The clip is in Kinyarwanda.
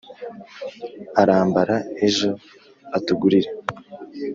arambara ejo. atugurire